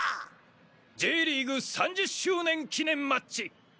Ｊリーグ３０周年記念マッチ！